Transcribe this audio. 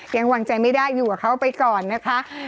ยังวางใจไม่ได้อยู่กับเขาไปก่อนนะคะ